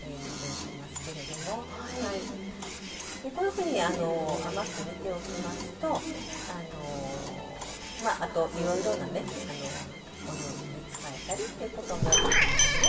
こういうふうに甘く煮ておきますとあといろいろなねお料理に使えたりということもありますね。